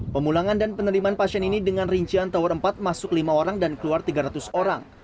pemulangan dan penerimaan pasien ini dengan rincian tower empat masuk lima orang dan keluar tiga ratus orang